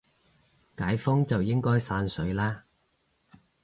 解封就應該散水啦